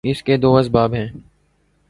اس کے دو اسباب ہیں۔